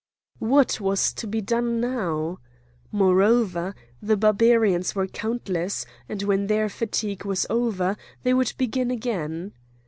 What was to be done now? Moreover, the Barbarians were countless, and when their fatigue was over they would begin again.